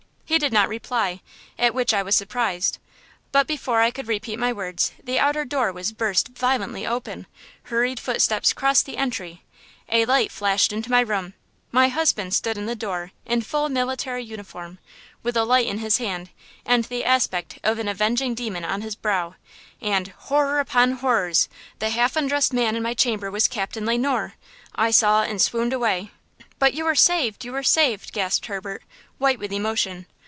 He did not reply, at which I was surprised; but before I could repeat my words the outer door was burst violently open, hurried footsteps crossed the entry, a light flashed into my room, my husband stood in the door in full military uniform, with a light in his hand and the aspect of an avenging demon on his brow, and– "Horror upon horrors! the half undressed man in my chamber was Captain Le Noir! I saw and swooned away!" "But you were saved! you were saved!" gasped Herbert, white with emotion.